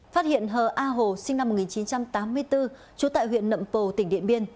phát hiện hờ a hồ sinh năm một nghìn chín trăm tám mươi bốn trú tại huyện nậm pồ tỉnh điện biên